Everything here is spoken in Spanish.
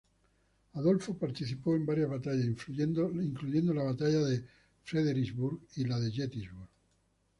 Adolfo participó en varias batallas, incluyendo la Batalla de Fredericksburg y la de Gettysburg.